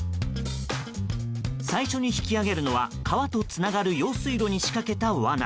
最初に引き上げるのは川とつながる用水路に仕掛けたわな。